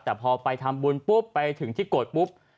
แต่พอไปทำบุญปุ๊บไปถึงที่โกรธปุ๊บ